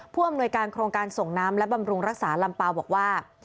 ผู้อำนวยการโครงการส่งน้ำและบำรุงรักษาลำเปล่าบอกว่า